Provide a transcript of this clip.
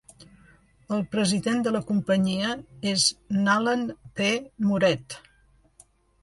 El president de la companyia és n'Alan P. Moret.